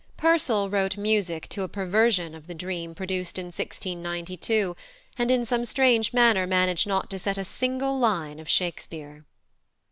+Purcell+ wrote music to a perversion of the Dream produced in 1692 (see above, p. 12), and in some strange manner managed not to set a single line of Shakespeare.